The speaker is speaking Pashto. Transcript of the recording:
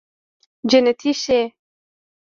جنتي شې